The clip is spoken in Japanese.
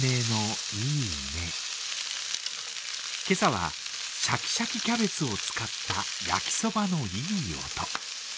今朝はシャキシャキキャベツを使った焼きそばのいい音。